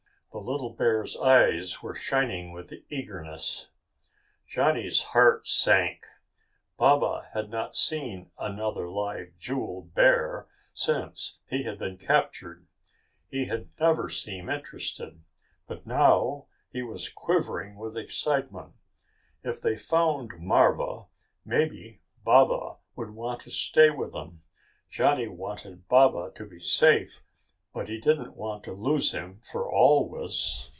The little bear's eyes were shining with eagerness. Johnny's heart sank. Baba had not seen another live jewel bear since he had been captured. He had never seemed interested. But now he was quivering with excitement. If they found marva, maybe Baba would want to stay with them! Johnny wanted Baba to be safe, but he didn't want to lose him for always.